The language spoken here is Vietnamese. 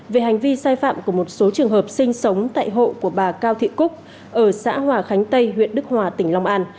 về hành vi sai phạm của một số trường hợp sinh sống tại hộ của bà cao thị cúc ở xã hòa khánh tây huyện đức hòa tỉnh long an